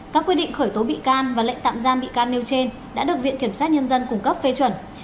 các quyết định khởi tố bị can và lệnh tạm giam bị can nêu trên đã được viện kiểm sát nhân dân cung cấp phê chuẩn